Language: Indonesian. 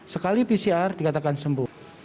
sekali pcr dikatakan sembuh